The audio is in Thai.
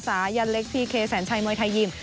สายันเล็กพีเคแสนชัยมวยไทยยิม